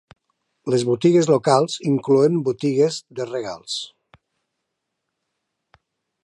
Les botigues locals inclouen botigues de regals.